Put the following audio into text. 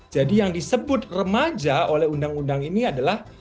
jadi yang disebut remaja oleh undang undang ini adalah